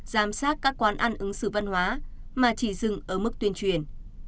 giám sát các quán ăn ứng xử văn hóa mà chỉ dừng ở mức tuyên truyền